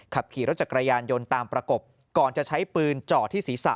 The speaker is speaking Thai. ขับขี่รถจักรยานยนต์ตามประกบก่อนจะใช้ปืนจ่อที่ศีรษะ